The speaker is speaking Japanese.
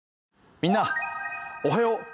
みんなおはよう。